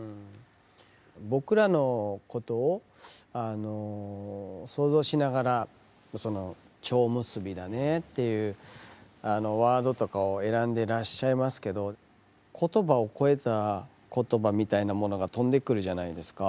僕らのことを想像しながら「蝶結びだね」っていうワードとかを選んでらっしゃいますけど言葉を超えた言葉みたいなものが飛んでくるじゃないですか。